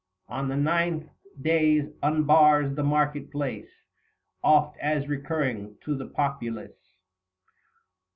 On the ninth days unbars the market place, Oft as recurring, to the populace.